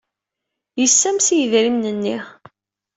Yessames i yidrimen-nni.